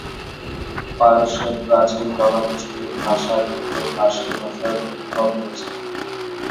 পারস্যের প্রাচীন জনগোষ্ঠীর ভাষা থেকে ফার্সি ভাষার উদ্ভব হয়েছে।